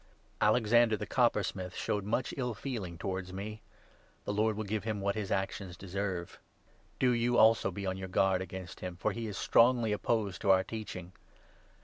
Alexander, the coppersmith, showed much ill 14 feeling towards me. 'The Lord will give him what his actions deserve.' Do you also, be on your guard against him, for he 15 is strongly opposed to our teaching.